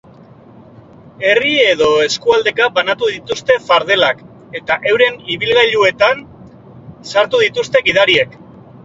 Herri edo eskualdeka banatu dituzte fardelak eta euren ibilgailuetan sartu dituzte gidariek.